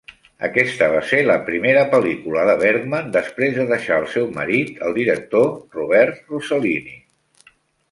Aquesta va ser la primera pel·lícula de Bergman després de deixar al seu marit, el director Roberto Rossellini.